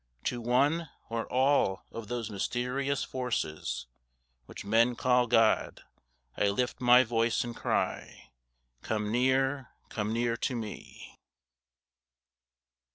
To one, or all of those mysterious Forces Which men call God, I lift my voice and cry, Come near, come near to me!